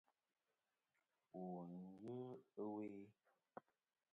Wù n-ghɨ ɨwe.